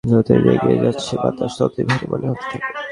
যতই সে এগিয়ে যায় এ বাতাস ততই ভারী মনে হতে থাকে।